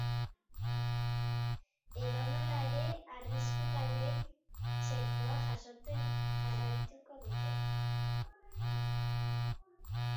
Edonola ere, arrisku taldeek txertoa jasotzen jarraituko dute.